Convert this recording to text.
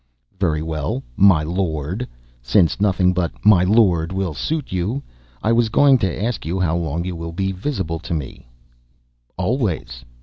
"Very well, my lord since nothing but my lord will suit you I was going to ask you how long you will be visible to me?" "Always!"